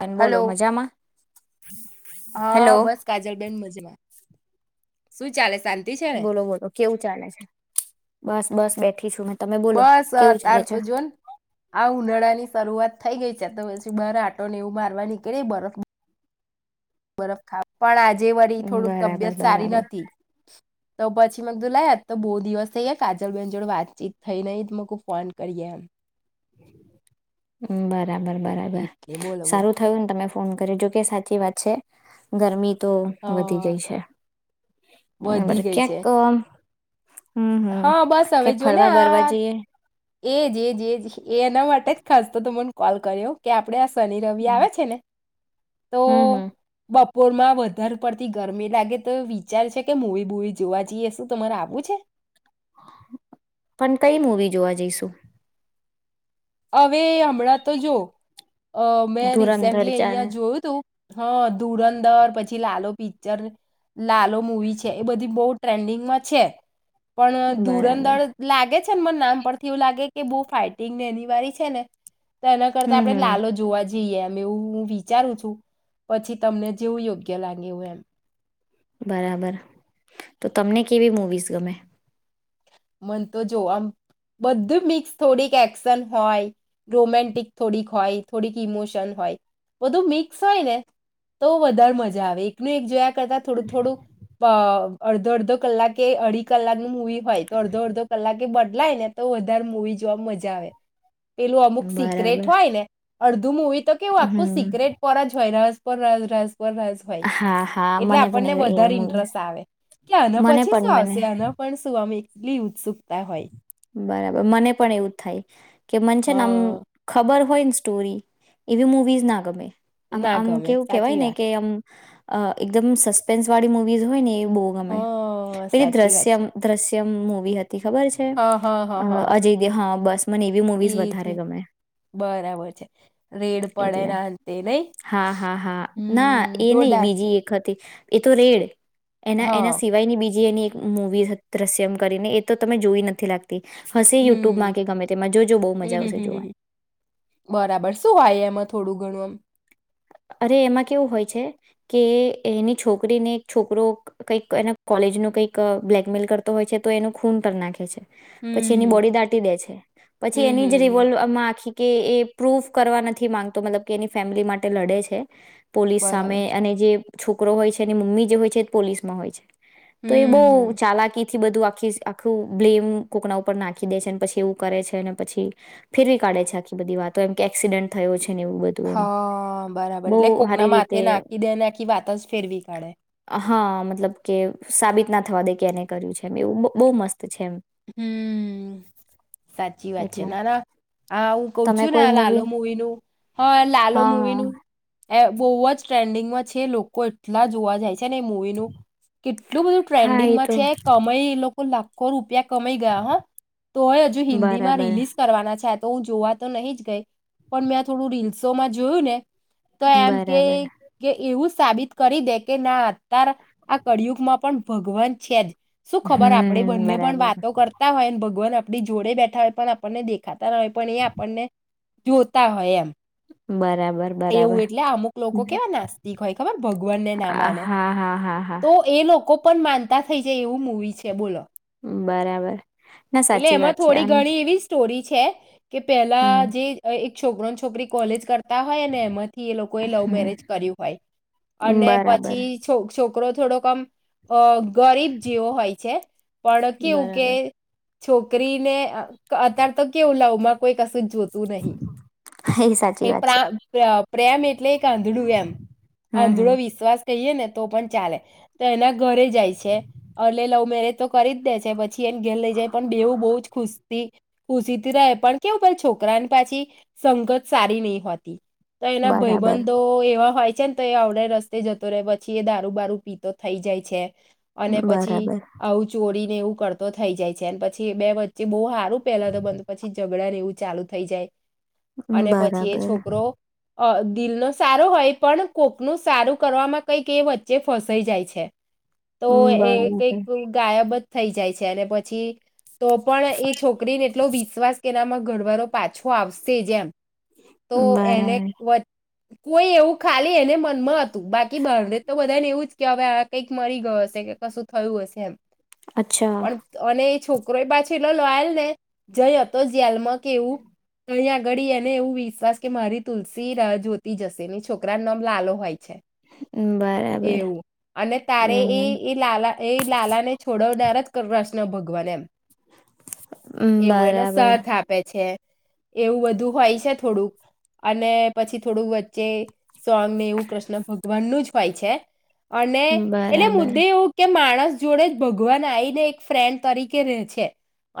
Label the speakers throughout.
Speaker 1: અને બોલો
Speaker 2: હલો.
Speaker 1: મજામાં
Speaker 2: હા
Speaker 1: હેલો
Speaker 2: બસ કાજલ બેન મજામાં. શું ચાલે શાંતિ છે ને
Speaker 1: બોલો બોલો કેવું ચાલે છે? બસ બસ બેઠી છું મે.
Speaker 2: બસ અત્યાર તો જોને આ ઉનાળાની શરૂઆત થઈ ગઈ છે, તો પછી બાર આટો ને એવુ મારવાની કેવી બરફ બરફ ખા પણ આજે જે વરી થોડુંક
Speaker 1: બરાબર
Speaker 2: તબિયત સારી
Speaker 1: બરાબર
Speaker 2: નથી. તો પછી મે કીધું લાય આતો બહુ દિવસ થઈ કાજલ બેન જોડે વાતચીત થઈ નહીં તો મેં કીધું ફોન કરીએ એમ.
Speaker 1: બરાબર બરાબર
Speaker 2: એટલે બોલો બોલો
Speaker 1: સારું થયું ને તમે ફોન કર્યો, જો કે સાચી વાત છે ગરમી તો
Speaker 2: હ
Speaker 1: વધી ગઈ છે બરાબર ક્યાંક હમ
Speaker 2: હ
Speaker 1: હમ
Speaker 2: બસ હવે
Speaker 1: ક્યાંક
Speaker 2: જો ને
Speaker 1: ફરવા બરવા
Speaker 2: આ
Speaker 1: જઈએ
Speaker 2: એજ એજ એજ એ એના માટે જ ખાસ તો ત મને કોલ કર્યો કે આપણે શનિ રવિ આવે છે ને તો
Speaker 1: હમ હમ
Speaker 2: બપ પોરમાં વધારે પડતી ગરમી લાગે તો વિચાર છે, કે મૂવી બુવી જોવા જઈએ શું તમારે આવવું છે?
Speaker 1: પણ કઈ મુવી જોવા જઈશું?
Speaker 2: અવે એ હમણાં તો જો અ મેં
Speaker 1: ધુરંધર
Speaker 2: રિસેન્ટલી
Speaker 1: ચાર
Speaker 2: અહિયાં જોયું તું હા, ધુરંધર પછી લાલો પિક્ચર લાલો મૂવી છે, એ બધી બહુ ટ્રેન્ડિંગમાં છે. પણ
Speaker 1: બરાબર
Speaker 2: ધુરંધર લાગે છે ને મન નામ પરથી એવું લાગે કે બહુ ફાઇટિંગને એની વારી છે ને તો એના કરતા
Speaker 1: હમ
Speaker 2: આપણે
Speaker 1: હમ
Speaker 2: લાલો જોવા જ જીએ એમ એવું હું વિચારું છું પછી તમને જેવું યોગ્ય લાગે એવું એમ.
Speaker 1: બરાબર, તો તમને કેવી મુવીઝ ગમે?
Speaker 2: મન તો જો આમ બધું મિક્સ થોડીક એક્શન હોય, રોમેન્ટિક થોડીક હોય, થોડીક ઈમોશન હોય બધું મિક્સ હોય ને તો વધારે મજા આવે એકનું એક જોયા કરતા થોડું થોડું અ અડધો અડધો કલાક કે અઢી કલાકની મૂવી હોય તો અડધો અડધો કલાકે બદલાય ને તો વધારે મૂવી જોવામ મજા આવે. પેલું અમુક સિક્રેટ
Speaker 1: બરાબર
Speaker 2: હોય ને અડધું મુવી તો કેવું આખું
Speaker 1: હમ
Speaker 2: સિક્રેટ પર જ હોય રહ પણ રાઝ રાઝ પર રાઝ હોય
Speaker 1: હા હા
Speaker 2: એટલે
Speaker 1: મને પણ
Speaker 2: આપણને
Speaker 1: એ એવા
Speaker 2: વધારે
Speaker 1: મૂવીઝ
Speaker 2: ઇન્ટરેસ્ટ આવે કે આના
Speaker 1: મને
Speaker 2: પછી
Speaker 1: પણ
Speaker 2: શું
Speaker 1: મને
Speaker 2: આવશે આના પણ શું ટલી ઉત્સુક
Speaker 1: બરાબર, મને પણ એવું જ થાય. મન
Speaker 2: હ
Speaker 1: છેને આમ ખબર હોય ન સ્ટોરી એવી મુવીઝ ના ગમે. આમ
Speaker 2: ના
Speaker 1: આમ
Speaker 2: ગમે
Speaker 1: કેવું કેવાય
Speaker 2: સાચી
Speaker 1: ને
Speaker 2: વાત
Speaker 1: કે આમ અ એકદમ સસ્પેન્સવાળી મુવીઝ હોય ને બો
Speaker 2: હ
Speaker 1: ગમે પેલી
Speaker 2: સાચી વાત
Speaker 1: દ્રશ્યમ
Speaker 2: છે
Speaker 1: દ્રશ તેમ મુવી હતી ખબર છે? અ અજય હા બ
Speaker 2: ઇજ ઇ બરાબર છે, રેડ પડે
Speaker 1: એટલે
Speaker 2: રાનતે નઇ?
Speaker 1: હા હા
Speaker 2: હમ્મ, જોરદાર
Speaker 1: તી એતો રેડ. એના એના
Speaker 2: હા
Speaker 1: સિવાયની બીજી જે એની એક મૂવી હ દ્રશ્યમ કરીને તો તમે જોઈ નથી લાગ તી, હશે
Speaker 2: હમ
Speaker 1: યુટુબમાં કે ગમે તેમાં જોજો બો મજા
Speaker 2: હમ હમ
Speaker 1: આવશે
Speaker 2: હમ
Speaker 1: જોવાની.
Speaker 2: હમ. બરાબર શું હોય એમાં થોડું ઘણું અમ?
Speaker 1: અરે એમાં કેવું હોય છે કે એની છોકરીને એક છોકરો કંઈક એના કોલેજ નું કંઈક બ્લેકમેલ કરતો હોય છે તો એનું ખૂન કર નાખે છે. પછી એની
Speaker 2: હમ
Speaker 1: બોડી દાટી દે છે, પછી
Speaker 2: હમ હમ
Speaker 1: એની જ
Speaker 2: હમ.
Speaker 1: રિવોલ્વ અ માં આખી કે એ પ્રૂફ કરવા નથી માંગતો મતલબ કે એની ફેમિલી માટે લડે છે. પોલીસ
Speaker 2: બરાબર
Speaker 1: સામે
Speaker 2: છે
Speaker 1: અને જે છોકરો હોય છે અને મમ્મી જે હોય છે એ જ પોલીસમાં હોય છે. તો એ બોઉ
Speaker 2: હમ
Speaker 1: ચાલાકી થી બધું આખીસ આખું બ્લેમ કોકના ઉપર નાખી દે છે પછી એવું કરે છે, અને પછી ફેરવી કાઢે છે આખી બધી વાતો એમ કે એક્સિડેન્ટ થયો છે ને એવું બધું એમ.
Speaker 2: હા બરાબર
Speaker 1: બઉ
Speaker 2: એટલે કોકના
Speaker 1: હારી
Speaker 2: માથે
Speaker 1: રીતે,
Speaker 2: નાખી દે ને આખી વાત જ ફેરવી કાઢે
Speaker 1: હ મતલબ કે, સાબિત ના થવા દે કે એને કર્યુ છે, એમ એવું બહુ મસ્
Speaker 2: હમ્મ્મ, સાચી વાત છે.
Speaker 1: એટલે
Speaker 2: ના ના આ હું કઉ
Speaker 1: તમે
Speaker 2: છું ને
Speaker 1: કોઈ
Speaker 2: લાલો મૂવી નું હ લાલો
Speaker 1: હા હા
Speaker 2: મવીનું એ બઉ જ ટ્રેન્ડિંગમાં છે લોકો એટલા જોવા જાય છે ને એ મૂવી નું, કેટલું બધું
Speaker 1: હા એ
Speaker 2: ટ્રેન્ડિંગમાં
Speaker 1: તો
Speaker 2: છે કમય એ લો કો લાખો રૂપિયા કમય ગયા હ, તો એ હજુ હિન્દી માં
Speaker 1: બરાબર
Speaker 2: રિલીઝ કરવાના છે તો હું જોવા તો નહીં જ ગઈ, પણ મેં આ થોડું રીલ્સોમાં જોયું ને તો એમ કે
Speaker 1: બરાબર
Speaker 2: કે એવું સાબિત કરી દે કે, ના અતાર આ કળિયુગમાં પણ ભગવાન છે જ શું ખબર આપણેે
Speaker 1: હમ
Speaker 2: બંને પણ
Speaker 1: બરાબર
Speaker 2: વાત તા હોયન ભગવાન આપણી જોડે બેઠા હોય પણ આપણને દેખ ખાતા ન હોય પણ એ આપર્ણને જોતા હોય એમ.
Speaker 1: બરાબર
Speaker 2: એવું,
Speaker 1: બરાબર
Speaker 2: એટલે આ અમુક લોકો કેવા નાસ્તિક હોય ખબર ભગવાનને ના
Speaker 1: હા
Speaker 2: માને
Speaker 1: હા હા હા
Speaker 2: તો એ લોકો પણ માનતા થઈ જાય એવું મુૂવી છે બોલો
Speaker 1: બરાબર ના
Speaker 2: એટલે
Speaker 1: સાચી
Speaker 2: એમાં
Speaker 1: વાત છે
Speaker 2: થોડી
Speaker 1: અન
Speaker 2: ઘણી એવી સ્ટોરી છે કે પહેલા
Speaker 1: હમ
Speaker 2: જે એક છોકરોને છોકરી કોલેજ કરતા હોય ને એમાંથી એ લોકોએ લવ
Speaker 1: હમ
Speaker 2: મેરેજ કર્યું હોય અને
Speaker 1: બરાબર
Speaker 2: પછી છ છોક છોકરો થોડોક આમ અ ગરીબ જેવો હોય છે પણ કેવું કે
Speaker 1: બરાબર
Speaker 2: છોકરીને અત્યારે તો કેવું લવમાં કોઈ કશું જોતું નહી
Speaker 1: સાચી
Speaker 2: એ
Speaker 1: વાત છે
Speaker 2: પ્રા પ્ર પ્રેમ એટલે એક આંધળું એમ
Speaker 1: હમ હમ
Speaker 2: આંધળો વિશ્વાસ કહીએ ને તો પણ ચાલે તો એના ઘરે જાય છે અર્લી લવ મેરેજ તો કરી જ દે છે પછી એને ઘેર લઈ જાય પણ બેવું બહુ જ ખુશ ખુશીથી રહે પણ કેવું પણ છોકરાની પાછી સંગત સારી નહી હોતી. તો એના
Speaker 1: બરાબર
Speaker 2: ભયબંધો એવા હોય. છેન તો એ અ આવડે રસ્તે જતો રહેે પછી એ દારૂ બારૂ પીતો થઈ જાય છે. અને પછી
Speaker 1: બરાબર
Speaker 2: આવું ચોરીને એવું કરતો થઈ જાય. પછી બે વચ્ચે બહુ હ પેલા તો બંધ પછી જગ ળા ને એવું ચાલુ થઈ જાય. અને પછી એ
Speaker 1: બરાબર.
Speaker 2: છોકરો અ દિલનો સારો હોય પણ કોકનું સારું કરવામાં કંઈક એ વચ્ચે ફસાઈ જાય છે. તો એ કંઈક ગાયબ જ થઈ જાય છે અને પ છી તો પણ એ છોકરીને એટલો વિશ્વાસ કે એનામાં ઘરવારો પાછો આવશે જ એમ. તો એને
Speaker 1: બરાબર
Speaker 2: વચ કોઈ એવું ખાલી એને મનમાં હતું બાકી બહાર ને તો બધાને એવું જ કે હવે આ કઈક મરી ગયો હશે કે કશું થયું હશે એમ
Speaker 1: અચ્છા
Speaker 2: પણ એ છોકરો એ પાછ એલો લોયલ ને જઈ હતો જેલમાં કે એવું કઈ આગળ એને એવું વિશ્વાસ કે મારી તુલસી રાહ જોતી જશે ને છોકરા નામ લાલો હોય. છે
Speaker 1: બરાબર
Speaker 2: એવું અને તારે એ
Speaker 1: બરાબર
Speaker 2: એ લાલા એ લાલા ને છોડવનાર જ કૃષ્ ણ ભગવાન એમ. એવું એને
Speaker 1: બરાબર
Speaker 2: સાથ આપે છે. એવું બધું હોય છે થોડુંક અને પછી થોડુંક વચ્ચે સોંગ ને એવું કૃષ્ણ ભગવાનનું જ હોય છે. અને એટલે
Speaker 1: બરાબર
Speaker 2: મુદ્દે એવું કે માણસ જોડે જ ભગવાન આઈને ફ્રેન્ડ તરીકે રેહ છે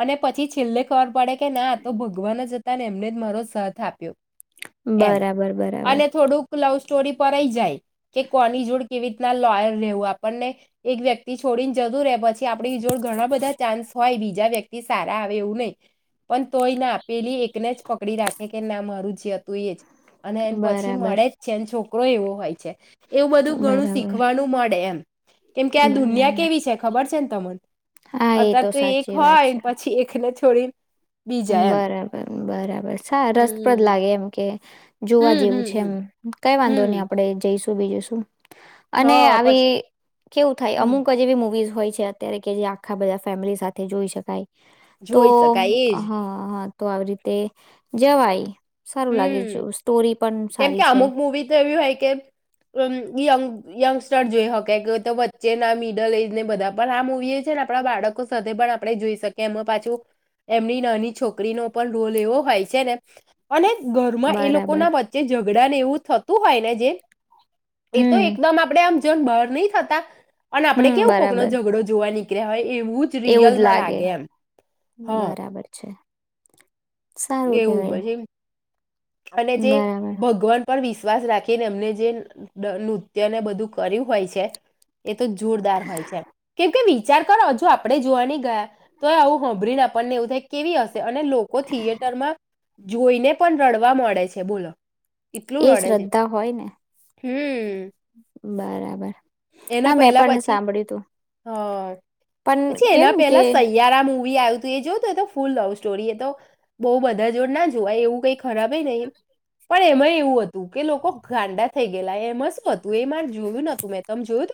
Speaker 2: અને પછી છેલ્લે ખબર પડે કે ના આતો ભગવાન જ હતા ને એમને મારો સાથ આપ્યો. એમ
Speaker 1: બરાબર બરાબર.
Speaker 2: અને થોડુંક લવ સ્ટોરી પર એઈ જાય. કે કોની જુડ કેવી રીતના લોયર રહેવું આપણને એક વ્યક્તિ છોડીને જતું રહેે પછી આપડી જોડ ઘણા બધા ચાન્સ હોય બીજા વ્યક્તિ સારા આવે એવું નહીં પણ તોય ના પેલી એકને જ પકડી રાખે કે ના મારું જે હતું એ જ. અને એન પછી મળે જ છે એન છોક કરોય એવો હોય છે. એવું બધું ઘણું
Speaker 1: બરાબર
Speaker 2: શીખવાનું મળે એમ. કેમ કે આ દુનિયા
Speaker 1: બરાબર
Speaker 2: કેવી છે ખબર છે ન તમન?
Speaker 1: હા એ
Speaker 2: અત્યારે તો એક
Speaker 1: સાચી
Speaker 2: હોય ન પછી એક એને છોડીન
Speaker 1: અ બરાબર. હમ્મ બરાબર. સા રસપ્રદ
Speaker 2: હમ
Speaker 1: લાગે એમ કે જોવા
Speaker 2: હમ
Speaker 1: જેવું
Speaker 2: હમ
Speaker 1: છે એમ
Speaker 2: હમ
Speaker 1: કાઈ વાંધો નઈ
Speaker 2: હમ
Speaker 1: આપડે જઈશ શું બીજું શું?
Speaker 2: હ
Speaker 1: અને આવી
Speaker 2: પછી
Speaker 1: કેવું થાય
Speaker 2: હમ
Speaker 1: અમુક જ એવી મુવીઝ હોય છે અત્યારે કે જે આખા બધા ફેમિલી સાથે જોઈ શકાય. તો
Speaker 2: જોય શકાય એ
Speaker 1: હા
Speaker 2: જ
Speaker 1: હા. તો આવી રીતે જવાય. સારું લાગે જો
Speaker 2: હમ્મ
Speaker 1: સ્ટોરી પણ
Speaker 2: કેમ કે
Speaker 1: સારી છે
Speaker 2: અમુક મુવી તો એવી હોય કે અ ય યંગ સ્ટર જોઈ શકે તો વચ્ચે ના મિડલ એજ ને બધા પણ આ મુવી એ છે ને આપણા બાળકો સાથે પણ આપણે જોઈ શકીએ એમાં પાછું એમની નાની છોકરીનો પણ રોલ એવો હોય છે ને અને ઘરમાં એ
Speaker 1: બરાબર
Speaker 2: લોકોના વચ્ચે ઝ ધણાંને એવું થતું હોય ને જે એ તો
Speaker 1: હમ
Speaker 2: એકદમ આપડે આમ બહાર નહી થતા પણ આપડે
Speaker 1: હમ
Speaker 2: કેવો કોઈકનો
Speaker 1: બરાબર
Speaker 2: ઝઘડો જોવા નીકળ્યો નીકડ્યા હોય
Speaker 1: એવું જ લાગે
Speaker 2: હા
Speaker 1: બરાબર છે [inaudible] સારું
Speaker 2: એવું
Speaker 1: કહેવાય
Speaker 2: પછી અને જે ભગવાન પર વિશ વિશ્વાસ રાખીને એમને જે નૃત્ય ને બધું કર્યું હોય છે એ તો જોરદાર હોય છે કેમકે વિચાર કરો હજુ આપણે જોવાની ગયા તોય આવું હોંમભ્રીને આપણે આપ ને એવું થાય કે કેવી અને લોકો થીયે જોઈને પણ રડવા મળે છે બોલો
Speaker 1: એ
Speaker 2: એટલું રડે છે
Speaker 1: શ્રદ્ધા હોય ને
Speaker 2: હમ
Speaker 1: હમ બરાબર
Speaker 2: એના
Speaker 1: હા મેં
Speaker 2: પહેલા
Speaker 1: પણ
Speaker 2: પછી
Speaker 1: સાંભળ્યું તું
Speaker 2: હ
Speaker 1: પણ
Speaker 2: પછી
Speaker 1: કેમ
Speaker 2: એના
Speaker 1: કે
Speaker 2: પહેલા સયારા મુવી આયુંતુ એ જો તો તો ફૂલ લવ સ્ટોરી એ તો બહ બધા જોડ ના જોવાય એવું કઈ ખરાબ નહી પણ એમાં એવું હતું કે લોકો ગાંડા થઈ ગયલા એમાં શુ હતું એ માર જોયું નતું મેં જોયુતુ?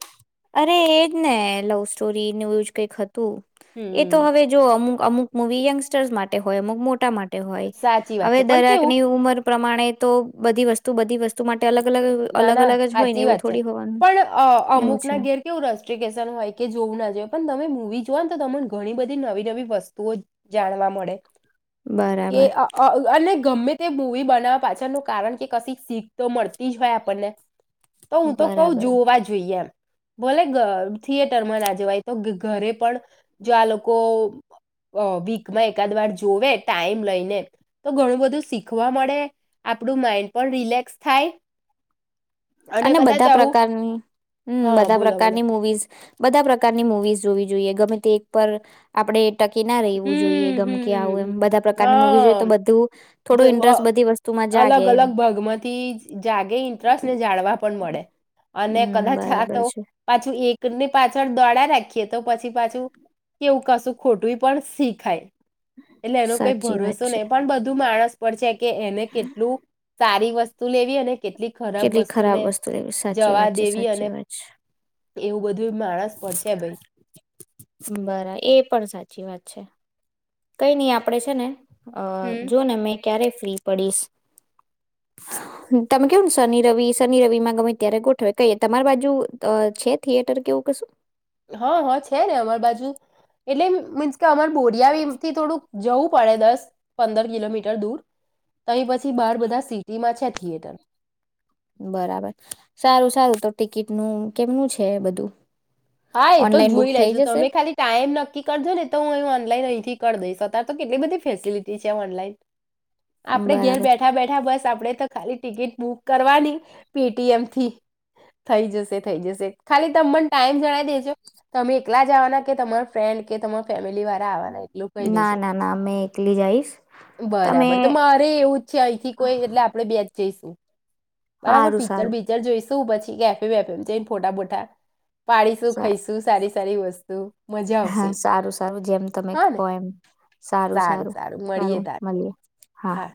Speaker 1: અરે એજ ને લવ સ્ટોરી ન્યૂજ કઈક હતું ત એ તો
Speaker 2: હમ.
Speaker 1: હવે જો અમુક અમુક મૂવી યંગસ્ટર્સ માટે હોય અમુક મોટા માટે હોય
Speaker 2: સાચી વાત
Speaker 1: હવે
Speaker 2: છે પણ કેવું
Speaker 1: દરાકની ઉમર પ્રમાણે તો બધી વસ્તુ બધી વસ્તુ માટે અલગ અલગ
Speaker 2: ના
Speaker 1: અલગ
Speaker 2: ના
Speaker 1: અલગ જ હોય ને
Speaker 2: સાચી
Speaker 1: એવું
Speaker 2: વાત છે.
Speaker 1: થોડી હોવાનું
Speaker 2: પણ અ
Speaker 1: એવું
Speaker 2: અમુક
Speaker 1: છે
Speaker 2: ઘેર કેવું રસ્ટ્રિકેશન હોય કે જોવું ના જોઈય પણ તમે મવી જુને તો તમને ઘણી બધી નવી નવી વસ્તુઓ જાણવા મળે કે
Speaker 1: બરાબર
Speaker 2: અ અને ગમે તે મૂવી બનાવવા પાછળનું કારણ કે કશી શીખ તો મળતી તી જ હોય આપણને તો હું તો કઉ
Speaker 1: બરાબર
Speaker 2: જોવા જોઈએ એમ ભોલે થિયેટરમાં ના જવાય તો ઘરે પણ જો આ લોકો વીકમાં એકાદ વાર જોવે ટાઈમ લઈને તો ઘણું બધું શીખવા મળે. આપણું માઈન્ડ પણ રિલેક્સ થાય.
Speaker 1: અને
Speaker 2: કદાચ
Speaker 1: બધા
Speaker 2: આવું
Speaker 1: પ્રકાર, હમ્મ,
Speaker 2: હા
Speaker 1: બધા
Speaker 2: બોલો બોલો
Speaker 1: પ્રકારની મુવીઝ બધા પ્રકારની મુવીઝ જોવી જોઈએ ગમે તે એક પર આપણે ટકી ના રવું જોઈએ.
Speaker 2: હમ
Speaker 1: ગમકી આવું એમ
Speaker 2: હમ
Speaker 1: બધા
Speaker 2: હ
Speaker 1: પ્રકારની મુવી હોય તો બધું થોડું ઇન્ટરેસ્ટ બધી વસ્તુમાં જાગે
Speaker 2: અલગ
Speaker 1: એમ.
Speaker 2: અલગ ભાગમાંથી જ જાગે ઇન્ટરેસ્ટને જાળવા પણ મળે અને
Speaker 1: હમ
Speaker 2: કદાચ આ
Speaker 1: બરાબર
Speaker 2: તો
Speaker 1: છે
Speaker 2: પાછું એકને પાછળ દોડા રાખીએ તો પછી પાછું કેવું કશું ખોટું પણ શીખાય. એટલે એનો કઈ
Speaker 1: સાચી વાત
Speaker 2: ભરોસો
Speaker 1: છે
Speaker 2: નહી પણ બધું માણસ પડશે કે એને કેટલું સારી વસ્તુ લેવી અને કેટલી ખરાબ
Speaker 1: કેટલી ખરાબ
Speaker 2: વસ્તુને
Speaker 1: વસ્તુ લે સાચી
Speaker 2: જવા
Speaker 1: વાત છે,
Speaker 2: દેવી અને
Speaker 1: સાચી વાત છે.
Speaker 2: એવું બધું માણસ પર છે ભાઈ
Speaker 1: બરા એ પણ સાચ ચી વાત છે. કઈ નઈ આપડે છે ને અ
Speaker 2: હમ
Speaker 1: જોને મે ક્યારે ફ્રી પડીશ તમે કેવું ને શનિ રવિ શનિ રવિ માં ગમે ત્યારે ગોઠવે કહી તમારી બાજુ છે થિયેટર કે એવું કશું
Speaker 2: હા હા છે ને અમાર બાજુ એટલે મીન્સ કે અમાર બોડિયાબીમ થી થોડુંક જવું પડે દસ પંદર કિલોમીટર દૂર તહી પછી બાર બધા સિટીમાં છે થિયેટર
Speaker 1: બરાબર સારું સારું તો ટિકિટનું કેમનું છે એ બધું
Speaker 2: હા એ તો
Speaker 1: ઓનલાઈન બુક
Speaker 2: જોઈ
Speaker 1: થઈ
Speaker 2: લેશ
Speaker 1: જશે
Speaker 2: તમે ખાલી ટાઈમ નક્કી કરજો ને તો હું ઓનલાઈન અહીંથી કર દઈશ અ તાર તો કેટલી બધી ફેસિલિટી છે ઓનલાઈન આપડે ઘેર
Speaker 1: બરાબર
Speaker 2: બેઠા બેઠા બસ આપડે તો ખાલી ટિકિટ બુક કરવાની પેટીએમથી થઈ જશે થઈ જશે ખાલી તમ મને ટાઈમ જણાય દેજો તમે એકલા જવાના કે તમાર ફ્રેન્ડ કે તમાર ફેમિલી વાડા એટું ક
Speaker 1: ના
Speaker 2: દેજો
Speaker 1: ના ના મેં એકલી જઈશ તમે
Speaker 2: બરાબર તો મારે એવું જ છે અહીંથી કોઈ એટ આપણે બેજ જઇસું બરાબર
Speaker 1: સારું
Speaker 2: પીકચર
Speaker 1: સારું
Speaker 2: બીકચર જોઈશું શું પછી કેફે વેફેમ જઈને ફોટા બોટા પાળીસુખ
Speaker 1: સા
Speaker 2: ખઈશું સારી સારી વસ્તુ મજા
Speaker 1: હા
Speaker 2: આવશે
Speaker 1: સારું સારું જેમ તમે
Speaker 2: હા ને
Speaker 1: કહો એમ
Speaker 2: સારું સારું મળીએ તારે હા